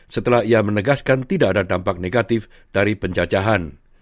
setelah ia menegaskan tidak ada dampak negatif dari penjajahan